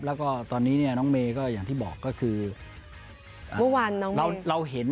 แล้วก็ตอนนี้เนี่ยน้องเมย์ก็อย่างที่บอกก็คือเมื่อวานเราเห็น